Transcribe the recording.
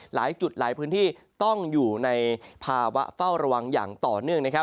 หลายจุดหลายพื้นที่ต้องอยู่ในภาวะเฝ้าระวังอย่างต่อเนื่องนะครับ